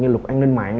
như luật an ninh mạng